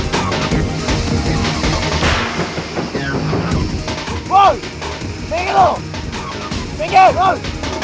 kau panggilnya gilbert moral